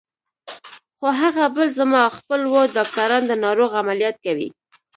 خو هغه بل زما خپل و، ډاکټران د ناروغ عملیات کوي.